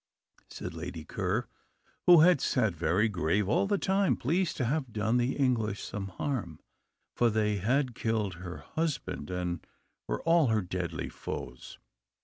said Lady Ker, who had sat very grave all the time, pleased to have done the English some harm; for they had killed her husband, and were all her deadly foes.